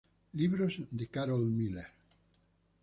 Libros de Carol Miller